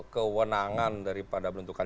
kewenangan daripada bentuk